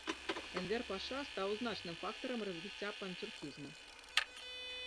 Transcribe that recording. Энвер-паша стаў значным фактарам развіцця панцюркізму.